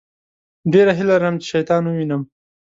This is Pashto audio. ډېره هیله لرم چې شیطان ووينم.